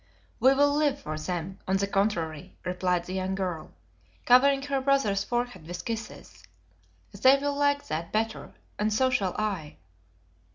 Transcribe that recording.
"We'll live for them, on the contrary," replied the young girl, covering her brother's forehead with kisses. "They will like that better, and so shall I."